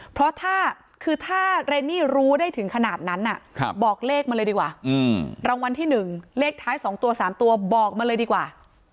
เพราะถ้าคือถ้าเรนนี่รู้ได้ถึงขนาดนั้นบอกเลขมาเลยดีกว่ารางวัลที่๑เลขท้าย๒ตัว๓ตัวบอกมาเลยดีกว่า